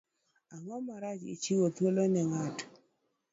Ang'o marach gi chiwo thuolo ne ng'ato?